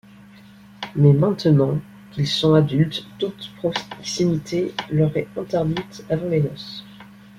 Mais maintenant qu'ils sont adultes, toute proximité leur est interdite avant les noces.